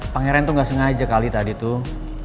pangeran tuh gak sengaja kali tadi tuh